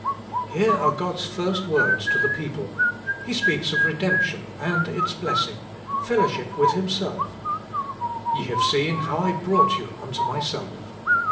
Here are God's first words to the people ; He speaks of redemption and its blessing, fellowship with Himself :' Ye have seen how I brought you unto myself.'